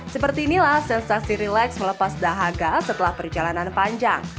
seperti inilah sensasi rileks melepas dahaga setelah perjalanan panjang